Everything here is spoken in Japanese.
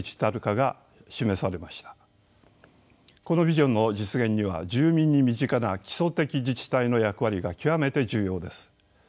このビジョンの実現には住民に身近な基礎的自治体の役割が極めて重要です。